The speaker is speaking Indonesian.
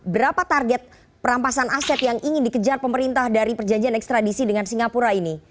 berapa target perampasan aset yang ingin dikejar pemerintah dari perjanjian ekstradisi dengan singapura ini